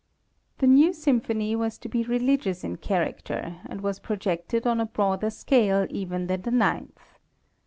The new Symphony was to be religious in character, and was projected on a broader scale even than the Ninth.